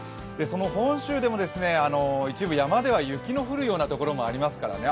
本州でも一部、山では雪の降るところもありますからね。